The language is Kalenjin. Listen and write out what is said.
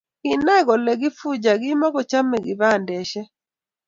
kinae kole kifuja kokimokochome kibandesheck